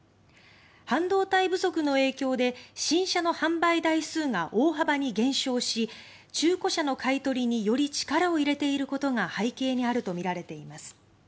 半導体不足の影響で新車の販売台数が大幅に減少し中古車の買い取りにより力を入れていることが背景にあるとみられています。